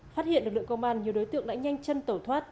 phát hiện lực lượng công an nhiều đối tượng đã nhanh chân tẩu thoát